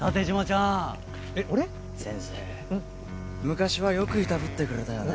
昔はよくいたぶってくれたよね？